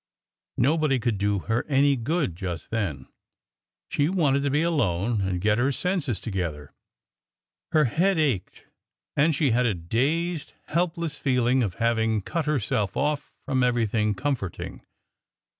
Nobody could do her any good just then. She wanted to be alone and get her senses together. Her head ached, and she had a dazed, helpless feeling of having cut herself off from everything comforting.